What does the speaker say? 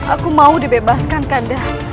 aku mau dibebaskan kanda